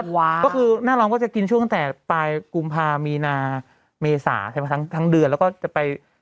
ใช่ค่ะน่ารองก็จะช่วงแต่ปรายกุมภาษามีนาเมษาใช่ปะทั้งเดือนแล้วก็จะไป